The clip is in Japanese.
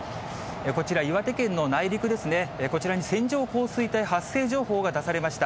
こちら、岩手県の内陸ですね、こちらに線状降水帯発生情報が出されました。